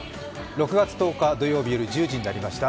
６月１０日土曜日夜１０時になりました。